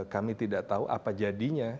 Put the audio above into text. kami tidak tahu apa jadinya